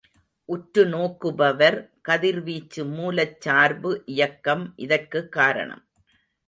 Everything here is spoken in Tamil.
உற்றுநோக்குபவர், கதிர்வீச்சு மூலச்சார்பு இயக்கம் இதற்குக் காரணம்.